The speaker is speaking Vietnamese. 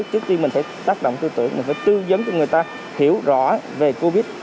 trước tiên mình phải tác động tư tưởng mình phải tư dấn cho người ta hiểu rõ về covid